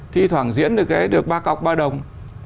thì thoảng diễn được ba cọc ba đồng